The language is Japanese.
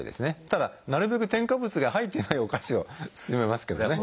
ただなるべく添加物が入ってないお菓子を勧めますけどね。